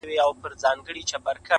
چېرته به د سوي میني زور وینو،